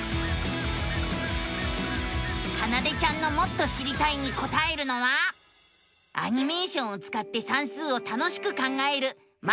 かなでちゃんのもっと知りたいにこたえるのはアニメーションをつかって算数を楽しく考える「マテマティカ２」。